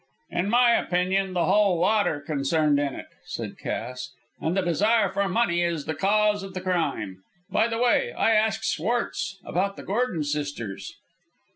"In my opinion the whole lot are concerned in it," said Cass, "and the desire for money is the cause of the crime. By the way, I asked Schwartz about the Gordon sisters."